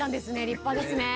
立派ですね。